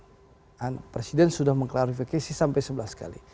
dan presiden sudah mengklarifikasi sampai sebelas kali